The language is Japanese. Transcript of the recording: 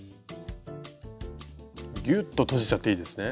ギュッと閉じちゃっていいですね？